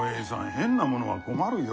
変なものは困るよ。